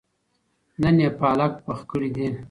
نن يې پالک پخ کړي دي